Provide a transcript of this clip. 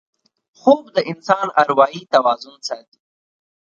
خوب د انسان اروايي توازن ساتي